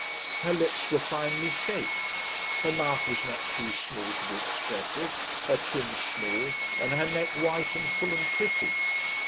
Her lips were finely shaped, her mouth was not too small to be expressive, her chin small, and her neck white and full and pretty.